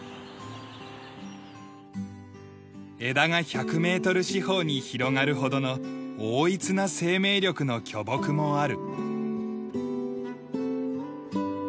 枝が１００メートル四方に広がるほどの横溢な生命力の巨木もある。